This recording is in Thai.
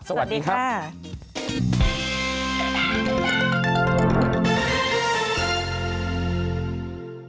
สวัสดีครับสวัสดีค่ะสวัสดีค่ะ